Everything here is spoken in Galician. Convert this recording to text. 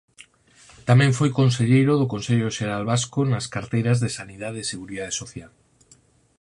Tamén foi Conselleiro do Consello Xeral Vasco nas carteiras de Sanidade e Seguridade Social.